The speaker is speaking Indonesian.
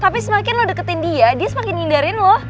tapi semakin lo deketin dia dia semakin ngindarin loh